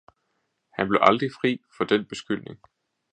Han blev aldrig fri for den beskyldning.